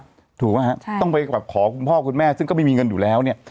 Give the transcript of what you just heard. ถูกป่ะฮะใช่ต้องไปแบบขอคุณพ่อคุณแม่ซึ่งก็ไม่มีเงินอยู่แล้วเนี่ย